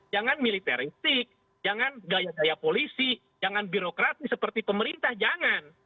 jangan militeristik jangan gaya gaya polisi jangan birokratis seperti pemerintah jangan